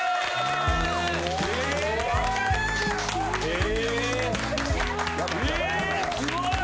・えすごい！